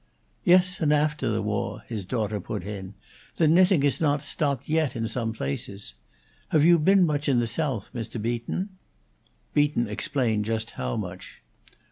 "Yes, and aftah the woe," his daughter put in. "The knitting has not stopped yet in some places. Have you been much in the Soath, Mr. Beaton?" Beaton explained just how much.